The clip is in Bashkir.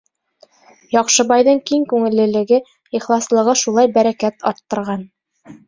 Яҡшыбайҙың киң күңеллелеге, ихласлығы шулай бәрәкәт арттырған.